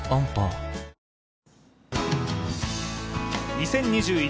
２０２１